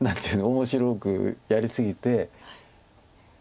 面白くやり過ぎて。